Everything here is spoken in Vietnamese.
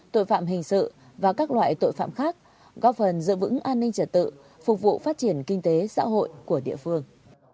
tội phạm hình sự và các loại tội phạm khác góp phần giữ vững an ninh trật tự phục vụ phát triển kinh tế xã hội của địa phương